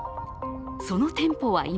その店舗は今